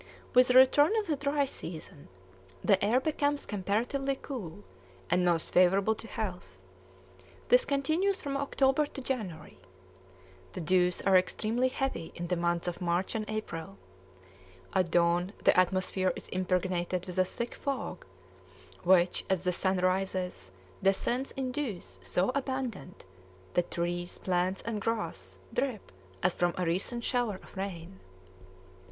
With the return of the dry season the air becomes comparatively cool, and most favorable to health; this continues from October to January. The dews are extremely heavy in the months of March and April. At dawn the atmosphere is impregnated with a thick fog, which, as the sun rises, descends in dews so abundant that trees, plants, and grass drip as from a recent shower of rain.